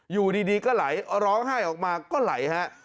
อยู่ดีก็ไหลร้องไห้ออกมาก็ไหลฮะ